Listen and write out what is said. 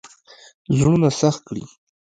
زړونه سخت کړي.